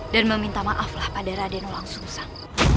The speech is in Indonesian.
dan meminta maaflah pada raden langsung sang